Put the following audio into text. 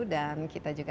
dan kita juga hampir jumpa